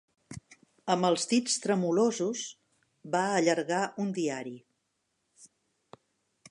Amb els dits tremolosos, va allargar un diari.